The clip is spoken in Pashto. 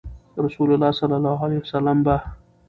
رسول الله صلی الله عليه وسلم به